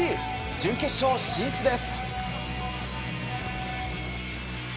準決勝進出です。